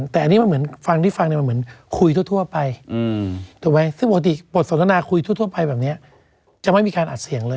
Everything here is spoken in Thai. ถือไหมซึ่งปกติบทสนทนาคุยทั่วไปแบบนี้จะไม่มีการอัดเสียงเลย